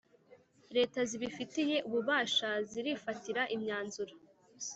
Leta zibifitiye ububasha zirifatira imyanzuro